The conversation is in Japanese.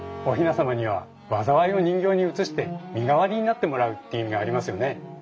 おひなさまには災いを人形に移して身代わりになってもらうという意味がありますよね？